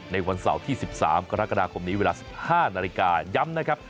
วันเสาร์ที่๑๓กรกฎาคมนี้เวลา๑๕นาฬิกาย้ำนะครับ